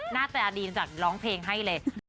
หน้าตาดีจากร้องเพลงให้เลย